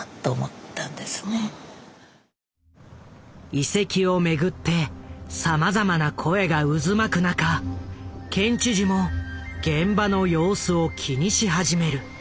遺跡をめぐってさまざまな声が渦巻く中県知事も現場の様子を気にし始める。